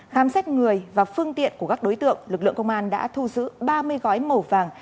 khám xét người và phương tiện của các đối tượng lực lượng công an đã thu giữ ba mươi gói màu vàng